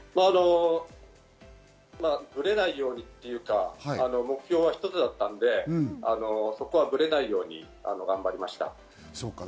ブレないようにというか、目標は一つだったので、そこはブレないように頑張りました。